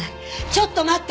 「ちょっと待った！